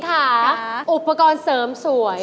อุปกรณ์เสริมสวย